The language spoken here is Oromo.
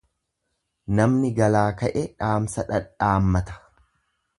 Namni galaa ka'e dhaamsa dhadhaammata.